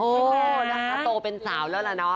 แล้วถ้าโตเป็นสาวแล้วล่ะเนอะ